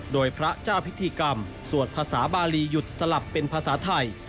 โดยพระเจ้าพิธีกรรมสวดภาษาบาลีหยุดสลับเป็นภาษาไทย